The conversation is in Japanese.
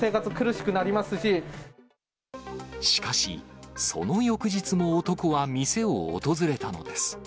しかし、その翌日も男は店を訪れたのです。